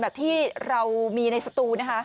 แบบที่เรามีในสตูนะคะ